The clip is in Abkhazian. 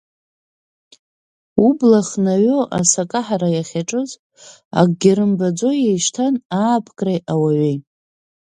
Убла хнаҩо асы акаҳара иахьаҿыз, акгьы рымбаӡо еишьҭан аапкреи ауаҩи.